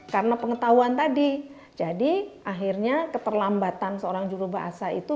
karena pengetahuan tadi jadi akhirnya keterlambatan seorang juru bahasa itu